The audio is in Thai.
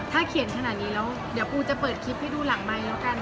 ถ้าเขียนขนาดนี้แล้วเดี๋ยวปูจะเปิดคลิปให้ดูหลังไมค์แล้วกัน